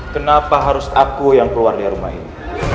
kenapa harus aku yang keluar dari rumah ini